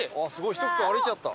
１区間歩いちゃった。